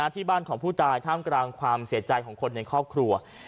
ที่บ้านของผู้ตายท่ามกลางความเสียใจของคนในครอบครัว